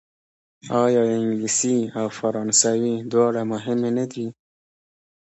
آیا انګلیسي او فرانسوي دواړه مهمې نه دي؟